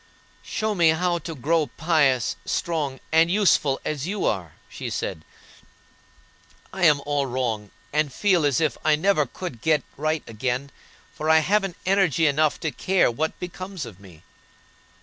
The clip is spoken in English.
"Show me how to grow pious, strong, and useful, as you are," she said. "I am all wrong, and feel as if I never could get right again, for I haven't energy enough to care what becomes of me."